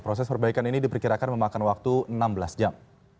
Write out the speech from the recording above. proses perbaikan ini diperkirakan memakan waktu enam belas jam